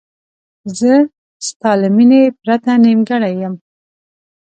زه ستا له مینې پرته نیمګړی یم.